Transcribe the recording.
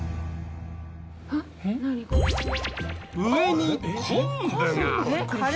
上に昆布が。